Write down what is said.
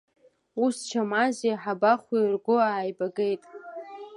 Ус Чамази Ҳабахәи ргәы ааибагеит.